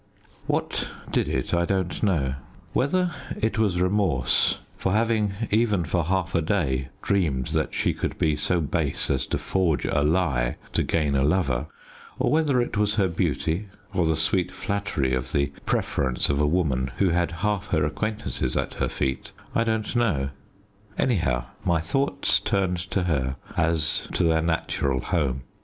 What did it I don't know. Whether it was remorse for having, even for half a day, dreamed that she could be so base as to forge a lie to gain a lover, or whether it was her beauty, or the sweet flattery of the preference of a woman who had half her acquaintances at her feet, I don't know; anyhow, my thoughts turned to her as to their natural home.